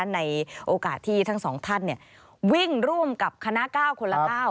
ในโอกาสที่ทั้งสองท่านวิ่งร่วมกับคณะ๙คนละ๙